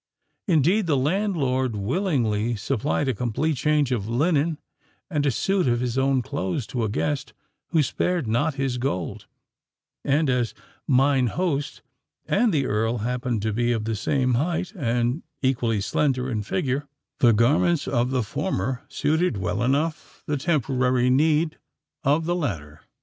Indeed, the landlord willingly supplied a complete change of linen and a suit of his own clothes to a guest who spared not his gold; and as "mine host" and the Earl happened to be of the same height and equally slender in figure, the garments of the former suited well enough the temporary need of the latter.